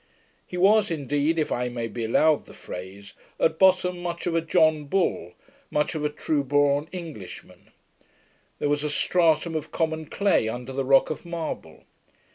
He was indeed, if I may be allowed the phrase, at bottom much of a John Bull; much of a blunt 'true born Englishman'. There was a stratum of common clay under the rock of marble.